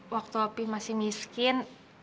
waktu opi masih miskin